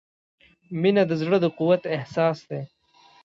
• مینه د زړۀ د قوت احساس دی.